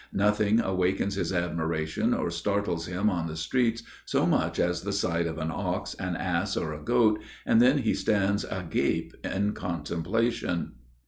Nothing awakens his admiration or startles him on the streets so much as the sight of an ox, an ass, or a goat, and then he stands agape in contemplation.